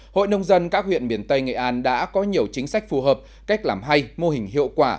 hội nông dân các huyện miền tây nghệ an đã có nhiều chính sách phù hợp cách làm hay mô hình hiệu quả